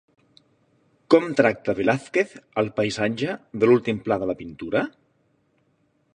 Com tracta Velázquez el paisatge de l'últim pla de la pintura?